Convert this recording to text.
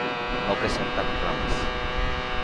No presentan ramas.